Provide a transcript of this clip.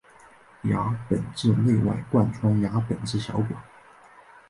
牙本质内外贯穿牙本质小管。